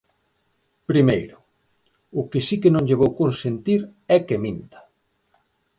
Primeiro, o que si que non lle vou consentir é que minta.